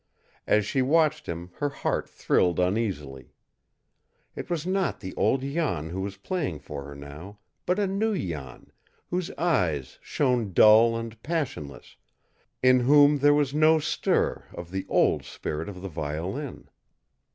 As she watched him, her heart thrilled uneasily. It was not the old Jan who was playing for her now, but a new Jan, whose eyes shone dull and passionless, in whom there was no stir of the old spirit of the violin.